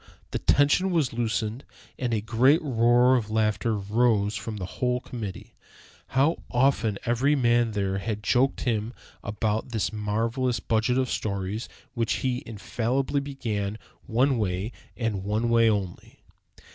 The tension was loosened, and a great roar of laughter rose from the whole committee. How often every man there had joked him about that marvelous budget of stories which he infallibly began one way and one way only!